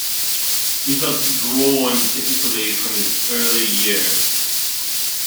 He felt drawn to Italy from his early years.